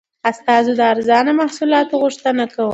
استازو د ارزانه محصولاتو غوښتنه کوله.